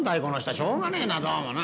しょうがねえなどうもな。